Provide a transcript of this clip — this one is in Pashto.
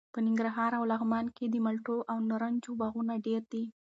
په ننګرهار او لغمان کې د مالټو او نارنجو باغونه ډېر دي.